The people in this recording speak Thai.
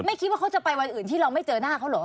คิดว่าเขาจะไปวันอื่นที่เราไม่เจอหน้าเขาเหรอ